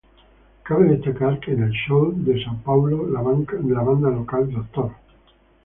Cabe destacar que en el show de Sao Paulo la banda local Dr.